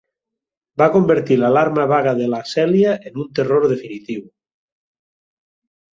Va convertir l'alarma vaga de la Celia en un terror definitiu.